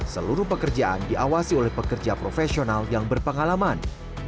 seluruh pekerjaan diawasi oleh pekerja profesional yang berpengalaman